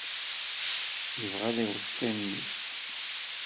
Ibɣa ad iweṣṣi mmi-s.